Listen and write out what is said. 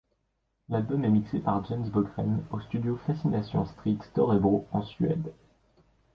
L'album est mixé par Jens Bogren aux studios Fascination Street d'Örebro, en Suède.